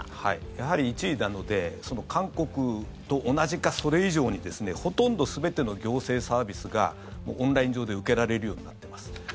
やはり、１位なので韓国と同じか、それ以上にほとんど全ての行政サービスがオンライン上で受けられるようになっています。